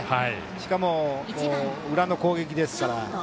しかも、裏の攻撃ですから。